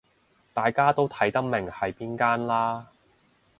大家都睇得明係邊間啦